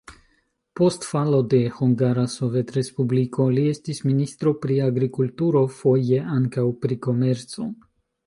Post falo de Hungara Sovetrespubliko li estis ministro pri agrikulturo, foje ankaŭ pri komerco.